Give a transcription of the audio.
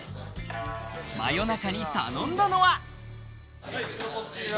真夜中に頼んだのは。